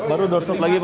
baru doorstop lagi pak